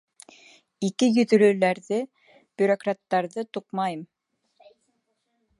Ике йөҙлөләрҙе, бюрократтарҙы туҡмайым!